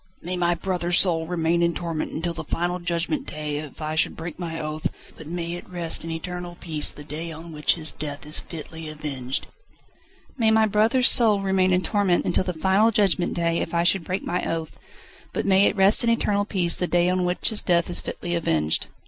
"May my brother's soul remain in torment until the final Judgment Day if I should break my oath, but may it rest in eternal peace the day on which his death is fitly avenged." "May my brother's soul remain in torment until the final Judgment Day if I should break my oath, but may it rest in eternal peace the day on which his death is fitly avenged."